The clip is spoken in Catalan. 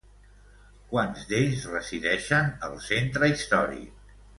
Quants d'ells resideixen al centre històric?